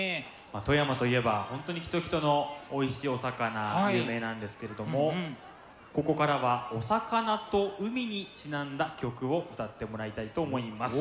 まあ富山といえば本当にきときとのおいしいお魚有名なんですけれどもここからはお魚と海にちなんだ曲を歌ってもらいたいと思います。